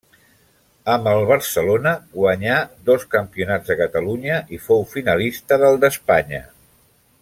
Amb el Barcelona guanyà dos campionats de Catalunya i fou finalista del d'Espanya.